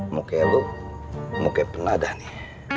muka lo muka peneladah nih